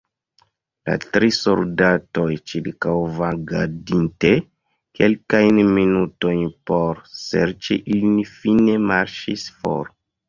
La tri soldatoj, ĉirkaŭvagadinte kelkajn minutojn por serĉi ilin, fine marŝis for.